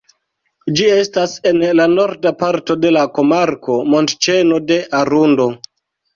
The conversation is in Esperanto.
Ĝi estas en la norda parto de la komarko Montĉeno de Arundo.